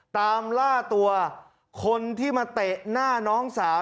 ตามล่าตัวคนที่มาเตะหน้าน้องสาว